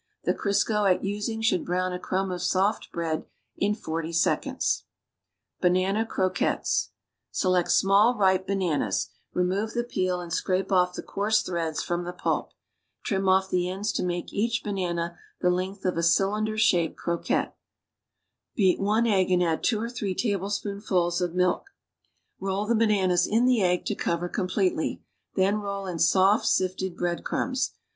The Crisco at using should brown a crumb of soft bread in 40 seconds. 38 Use ierei measurements far all ingredients BANANA CROQUETTES Select siuuU, ripe bananas; remove tlie peel anil serape off tlie coarse llireads from the pulp; trim off the ends to make each banana the length of a cylinder shaped croquette. Beat one egg and add two or three tablespoonfuls of milk. Roll the bananas in the egg to cover completely; then roll in soft, sifted bread crumbs.